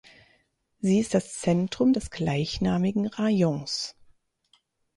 Sie ist das Zentrum des gleichnamigen Rajons.